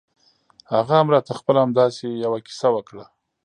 هغه هم راته خپله همداسې يوه کيسه وکړه.